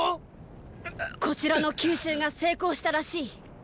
こちらの急襲が成功したらしい！